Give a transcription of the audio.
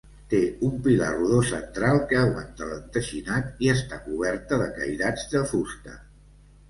Té un pilar rodó central que aguanta l'enteixinat i està coberta de cairats de fusta.